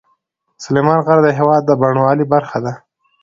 سلیمان غر د هېواد د بڼوالۍ برخه ده.